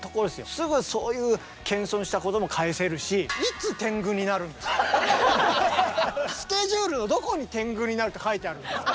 すぐそういう謙遜したことも返せるしスケジュールのどこに天狗になるって書いてあるんですか。